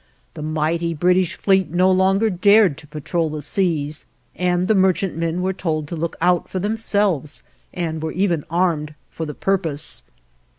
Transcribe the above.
The mighty British fleet no longer dared to patrol the seas, and the merchantmen were told to look out for themselves and were even armed for the purpose.